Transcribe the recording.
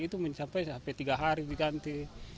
itu mencapai sampai tiga hari diganti